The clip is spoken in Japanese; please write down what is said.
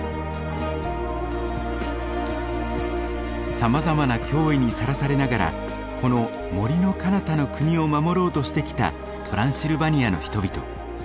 さまざまな脅威にさらされながらこの「森のかなたの国」を守ろうとしてきたトランシルバニアの人々。